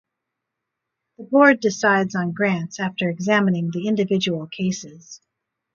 The Board decides on grants after examining the individual cases.